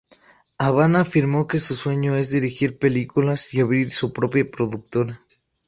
Havana afirmó que su sueño es dirigir películas y abrir su propia productora.